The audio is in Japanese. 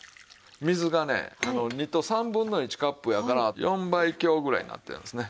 水がね２と３分の１カップやから４倍強ぐらいになってるんですね。